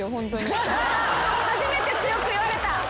初めて強く言われた。